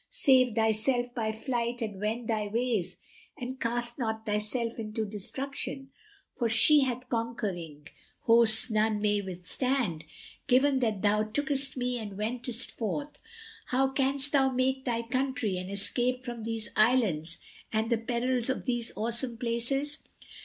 Save thyself by flight and wend thy ways and cast not thyself into destruction; for she hath conquering hosts none may withstand. Given that thou tookest me and wentest forth, how canst thou make thy country and escape from these islands and the perils of these awesome places?